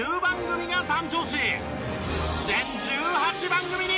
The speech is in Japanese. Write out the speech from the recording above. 全１８番組に！